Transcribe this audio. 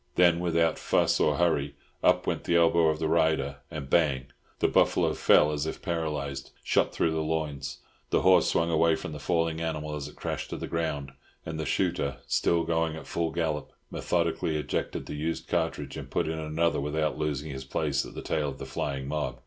Then without fuss or hurry, up went the elbow of the rider and bang! the buffalo fell as if paralysed, shot through the lions. The horse swung away from the falling animal as it crashed to the ground; and the shooter, still going at full gallop, methodically ejected the used cartridge and put in another without losing his place at the tail of the flying mob.